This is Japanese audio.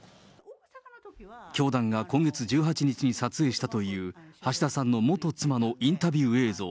教団が今月１８日に撮影したという、橋田さんの元妻のインタビュー映像。